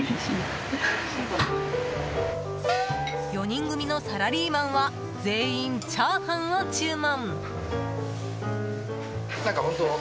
４人組のサラリーマンは全員チャーハンを注文。